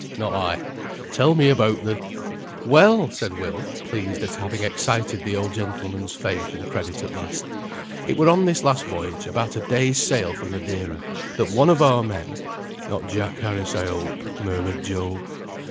"Not I! Tell me about the " "Well!" said Will, pleased at having excited the old gentleman's faith and credit at last. "It were on this last voyage, about a day's sail from Madeira, that one of our men " "Not Jack Harris, I hope," murmured Job.